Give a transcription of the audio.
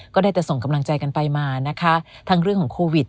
ก็ได้แต่ส่งกำลังใจกันไปมานะคะทั้งเรื่องของโควิด